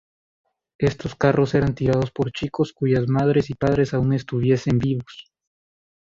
Estos carros eran tirados por chicos cuyas madres y padres aún estuviesen vivos.